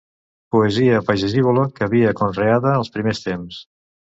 Poesia pagesívola que havia conreada als primers temps